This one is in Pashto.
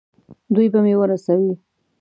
دوی به مې ورسوي.